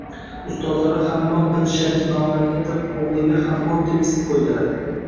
Ustozlari Hammod bin Sharaf nomlariga atab o‘g‘liga Hammod deb ism qo‘ygandilar